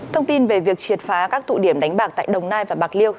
thông tin về việc triệt phá các tụ điểm đánh bạc tại đồng nai và bạc liêu